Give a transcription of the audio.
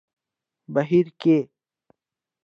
بهير کې